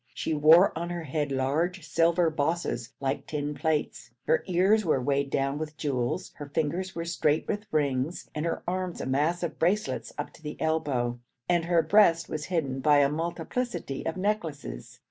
She wore on her head large silver bosses like tin plates, her ears were weighed down with jewels, her fingers were straight with rings, and her arms a mass of bracelets up to the elbow, and her breast was hidden by a multiplicity of necklaces.